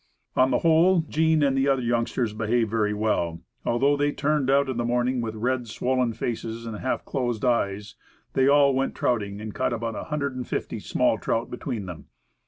On the whole, Jean and the other youngsters behaved very well. Although they turned out in the morning with red, swollen faces and half closed eyes, they all went trouting and caught about 150 small trout between them.